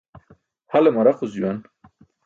Hale maraquc juwan.